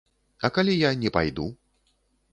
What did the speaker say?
А калі я не пайду?